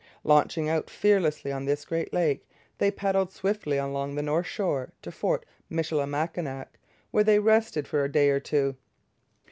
Launching out fearlessly on this great lake, they paddled swiftly along the north shore to Fort Michilimackinac, where they rested for a day or two.